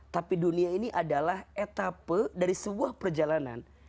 tapi dunia ini adalah etape dari sebuah perjalanan